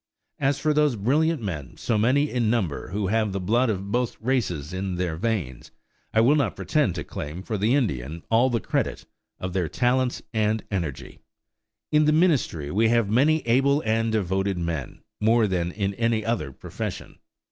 As for those brilliant men, so many in number, who have the blood of both races in their veins, I will not pretend to claim for the Indian all the credit of their talents and energy. In the ministry we have many able and devoted men more than in any other profession.